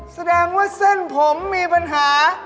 แสดงว่าเส้นผมมีปัญหา